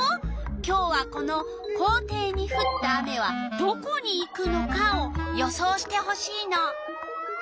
今日はこの「校庭にふった雨はどこにいくのか？」を予想してほしいの。